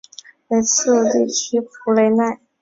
雷茨地区弗雷奈。